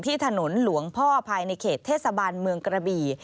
ถนนหลวงพ่อภายในเขตเทศบาลเมืองกระบี่